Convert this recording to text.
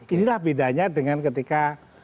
inilah bedanya dengan ketika